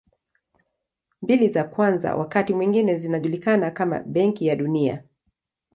Mbili za kwanza wakati mwingine zinajulikana kama Benki ya Dunia.